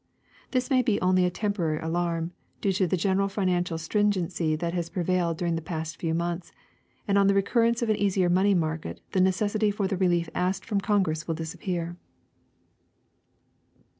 This may be only a tem porary alarm, due to the general financial stringency that has prevailed during the past few months, and on the recurrence of an easier money market the necessity for the relief asked from Congress will disappear.